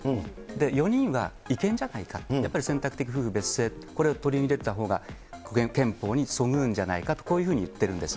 ４人は違憲じゃないかって、やっぱり選択式夫婦別姓、これを取り入れたほうが憲法にそぐうんじゃないかって、こういうふうに言ってるんです。